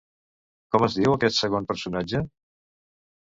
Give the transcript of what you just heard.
Com es diu aquest segon personatge?